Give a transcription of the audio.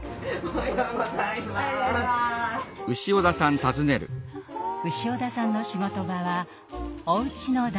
潮田さんの仕事場はおうちの台所。